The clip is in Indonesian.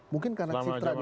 mungkin karena citra di